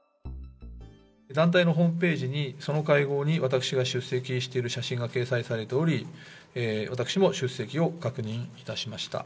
団体のホームページに、その会合に私が出席している写真が掲載されており、私も出席を確認いたしました。